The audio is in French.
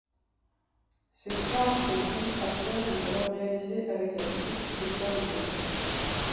Ces planches d'illustration sont alors réalisées avec la technique du pochoir métallique.